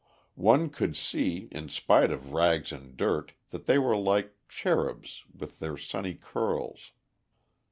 One could see, in spite of rags and dirt, that they were like cherubs, with their sunny curls.